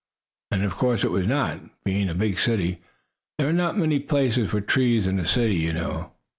And of course it was not, being a big city. There are not many places for trees in a city, you know.